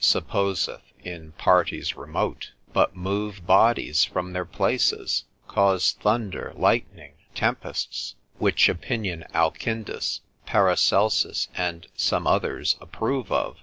4, supposeth in parties remote, but move bodies from their places, cause thunder, lightning, tempests, which opinion Alkindus, Paracelsus, and some others, approve of.